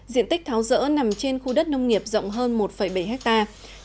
diện tích tháo rỡ nằm trên khu đất nông nghiệp rộng hơn một bảy hectare